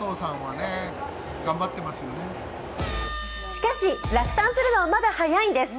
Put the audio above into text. しかし、落胆するのはまだ早いんです。